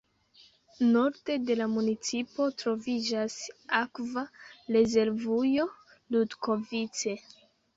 Norde de la municipo troviĝas Akva rezervujo Ludkovice.